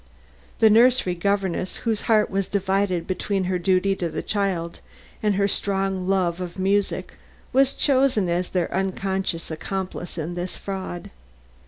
The nursery governess whose heart was divided between her duty to the child and her strong love of music, was chosen as their unconscious accomplice in this fraud.